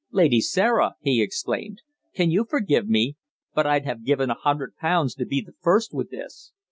"Lady Sarah!" he exclaimed. "Can you forgive me? But I'd have given a hundred pounds to be the first with this!"